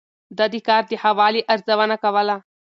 ده د کار د ښه والي ارزونه کوله.